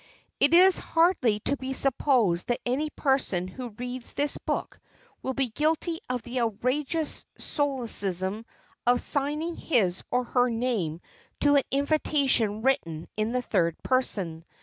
It is hardly to be supposed that any person who reads this book will be guilty of the outrageous solecism of signing his or her name to an invitation written in the third person.